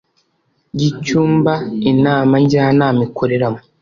y icyumba inama njyanama ikoreramo